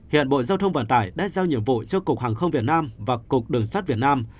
hiện bộ giao thông vận tải đã giao nhiệm vụ cho cục hàng không việt nam và cục đường sắt việt nam